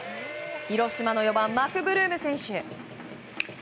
広島の４番、マクブルーム選手。